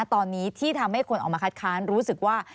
ตอนนี้ที่ทำให้คนออกมาคัดค้านรู้สึกว่า